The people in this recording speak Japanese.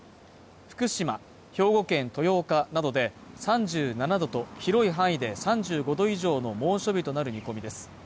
福島、兵庫県豊岡などで３７度と広い範囲で３５度以上の猛暑日となる見込みです。